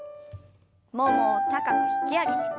ももを高く引き上げて。